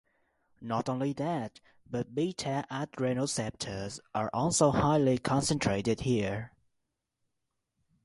Not only that but beta adrenoceptors are also highly concentrated here.